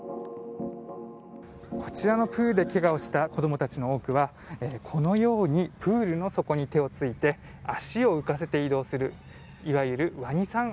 こちらのプールでけがをした子供たちの多くはこのようにプールの底に手をついて足を浮かせて移動するいわゆる、わにさん